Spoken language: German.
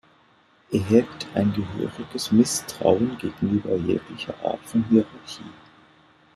Er hegt ein gehöriges Misstrauen gegenüber jeglicher Art von Hierarchie.